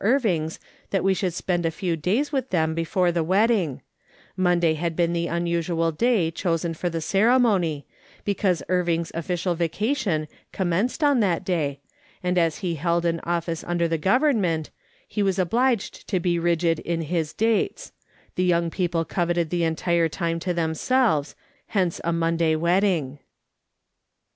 103 Irving's that we should spend a few days with them before the wedding ; Monday liad been the unnsual day chosen for the ceremony, because Irving's official vacation commenced on that day, and as he held an office under the Government, he was obliged to be rigid in his dates ; the young people coveted the entire time to themselves, hence a Monday wed ding.